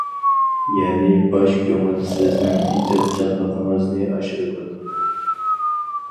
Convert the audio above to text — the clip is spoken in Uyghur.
يەنى، باش كۆڭۈل سىزنىڭ ئىجادچانلىقىڭىزنى ئاشۇرىدۇ.